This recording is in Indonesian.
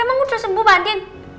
emang udah sembuh mbak andin